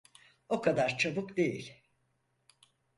O kadar çabuk değil.